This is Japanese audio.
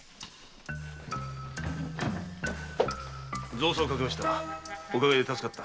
造作をかけました。